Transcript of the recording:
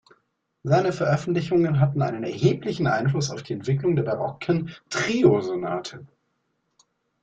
Seine Veröffentlichungen hatten einen erheblichen Einfluss auf die Entwicklung der barocken Triosonate.